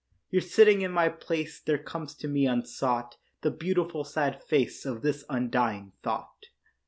Here sitting in my place There comes to me unsought The beautiful sad face Of this undying thought.